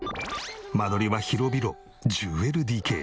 間取りは広々１０ＬＤＫ。